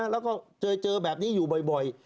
แล้วก็เจอแบบนี้อยู่บ่อย